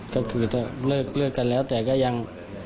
ก็คือถ้าเลิกกันแล้วแต่ก็ยัง